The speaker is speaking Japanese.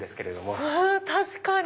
確かに！